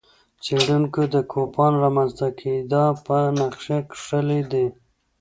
څېړونکو د کوپان رامنځته کېدا پر نقشه کښلي دي.